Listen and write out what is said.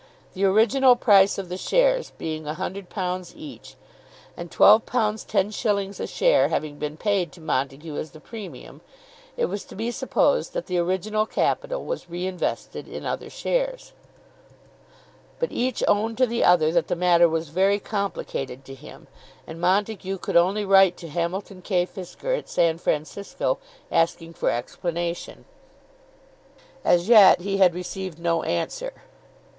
The original price of the shares being £100 each, and £12 10_s._ a share having been paid to Montague as the premium, it was to be supposed that the original capital was re invested in other shares. But each owned to the other that the matter was very complicated to him, and Montague could only write to Hamilton K. Fisker at San Francisco asking for explanation. As yet he had received no answer.